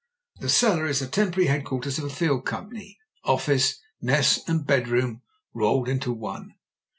The cellar is the temporary headquarters of a field company — office, mess, and bedroom rolled into one.